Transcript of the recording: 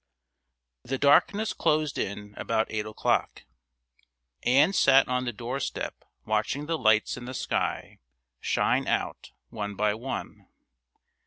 The darkness closed in about eight o'clock. Ann sat on the doorstep watching the lights in the sky shine out one by one.